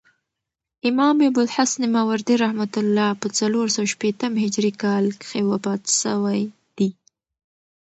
امام ابوالحسن ماوردي رحمة الله په څلورسوه شپېتم هجري کال کښي وفات سوی دي.